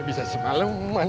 bisa semalem man